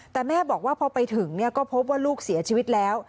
แต่แม่บอกว่าพอไปถึงก็พบว่าลูกเสียชีวิตแล้ว